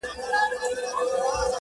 چي مات سې، مړ سې تر راتلونکي زمانې پوري~